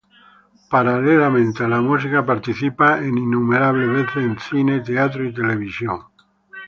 Paralelamente a la música, participa en innumerables veces en cine, teatro y televisión.